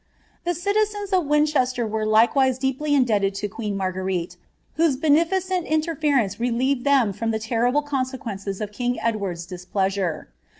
'^' The citizens of Winchester were likewise deeply indebted to queen Haiguerite, whose beneficent interference relieved them from the terrible Consequences of king Edward's displeasure.